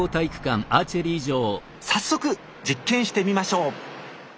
早速実験してみましょう！